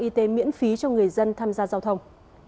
y tế miễn phí cho người dân tham gia giao thông